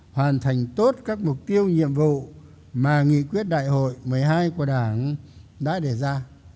hoàn thành tốt các mục tiêu nhiệm vụ mà nghị quyết đại hội một mươi hai của đảng đã đề ra